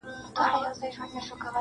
لېونتوب ته په خندا یې هر سړی وو!.